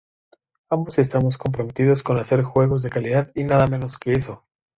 Ambos estamos comprometidos con hacer juegos de calidad y nada menos que eso.